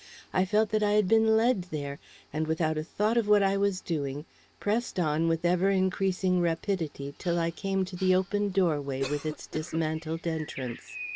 I felt that I had been led there; and without a thought of what I was doing, pressed on with ever increasing rapidity till I came to the open doorway with its dismantled entrance.